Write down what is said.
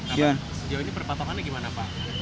dia ini perpatokannya gimana pak